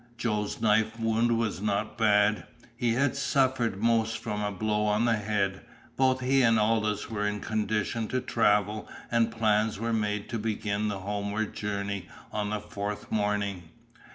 Joe's knife wound was not bad. He had suffered most from a blow on the head. Both he and Aldous were in condition to travel, and plans were made to begin the homeward journey on the fourth morning.